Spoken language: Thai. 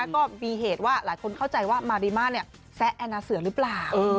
ก็มีเหตุว่าหลายคนเข้าใจว่ามาริม่าแซะแอนนาเสือหรือเปล่า